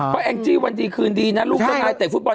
เพราะแองจี้วันดีคืนดีนะลูกเจ้านายเตะฟุตบอล